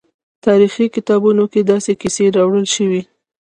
تاریخي کتابونو کې داسې کیسې راوړل شوي.